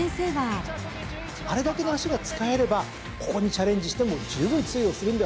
あれだけの脚が使えればここにチャレンジしても十分通用するんではないか。